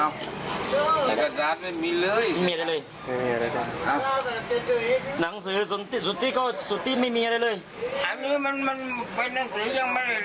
ฟังผมนะครับพระจะต้องมีหนังสือสุธิตประจำตัวจากออกด้วยกลางไปต่างจังหวัด